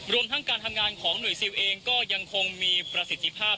รวมทั้งการทำงานของหน่วยซิลเองก็ยังคงมีประสิทธิภาพ